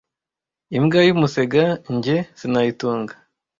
Imbwa y'umusega njye sinayitunga